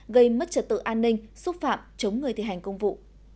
gây mất trật tự an ninh xúc phạm chống người thi hành công vụ